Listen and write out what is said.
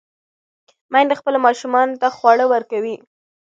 میندې خپلو ماشومانو ته خواړه ورکوي.